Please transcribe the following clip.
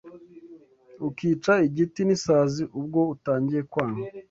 Ukica igiti n’isazi Ubwo utangiye kwanga